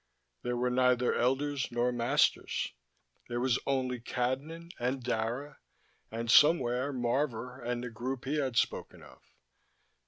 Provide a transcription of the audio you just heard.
There were neither elders nor masters: there was only Cadnan, and Dara and, somewhere, Marvor and the group he had spoken of.